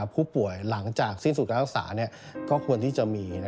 ผู้ป่วยหลังจากสิ้นสุดการรักษาก็ควรที่จะมี